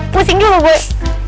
pusing juga boy